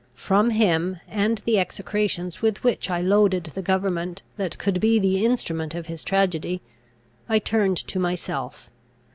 From him, and the execrations with which I loaded the government that could be the instrument of his tragedy, I turned to myself.